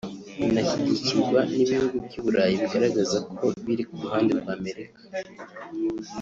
inashyigikirwa n’ibihugu by’i Burayi bigaragara ko biri ku ruhande rwa Amerika